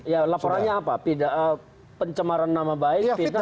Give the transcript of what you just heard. ya laporannya apa pencemaran nama baik tidak